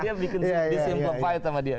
dia bikin disimplified sama dia